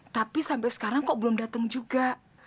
tapi sampai sekarang kok belum datang juga